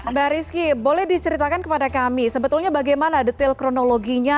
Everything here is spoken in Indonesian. mbak rizky boleh diceritakan kepada kami sebetulnya bagaimana detail kronologinya